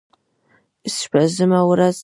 شپږمه ورځ سنباد بله کیسه وکړه.